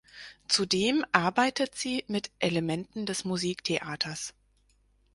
Zudem arbeitet sie mit Elementen des Musiktheaters.